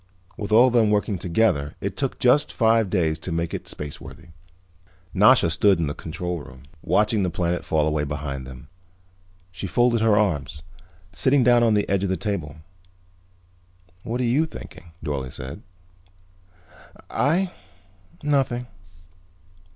With all of them working together it took just five more days to make it spaceworthy. Nasha stood in the control room, watching the planet fall away behind them. She folded her arms, sitting down on the edge of the table. "What are you thinking?" Dorle said. "I? Nothing."